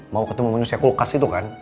mau ketemu manusia kulkas itu kan